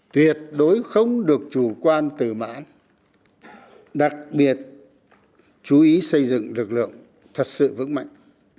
tuyệt đối không được chủ quan tử mãn đặc biệt chú ý xây dựng lực lượng thật sự vững mạnh